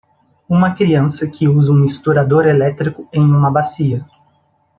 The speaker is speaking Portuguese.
Uma criança que usa um misturador elétrico em uma bacia.